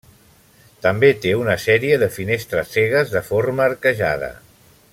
També té una sèrie de finestres cegues de forma arquejada.